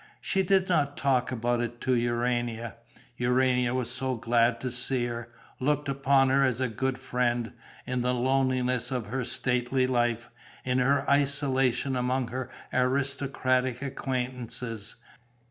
She did not talk about it to Urania. Urania was so glad to see her, looked upon her as a good friend, in the loneliness of her stately life, in her isolation among her aristocratic acquaintances.